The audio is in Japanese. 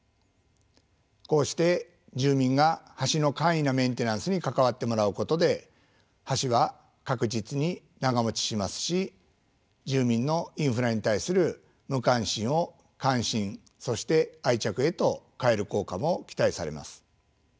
こうして住民が橋の簡易なメンテナンスに関わってもらうことで橋は確実に長もちしますし住民のインフラに対する無関心を関心そして愛着へと変える効果も期待されます。